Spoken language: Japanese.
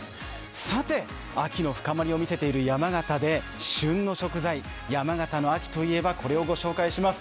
さて、秋の深まりを見せている山形で旬の食材、山形の秋といえば、これを紹介します。